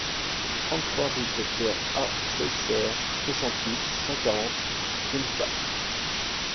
trente-trois rue Dr A Schweitzer, soixante-huit, cent quarante, Gunsbach